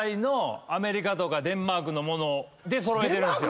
揃えてるんですよ。